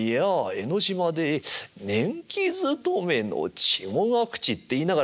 江の島で年季勤めの児ヶ淵」って言いながら